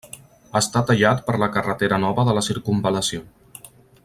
Està tallat per la carretera nova de la circumval·lació.